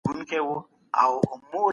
تطبیقي پوښتنې شیان سره پرتله کوي.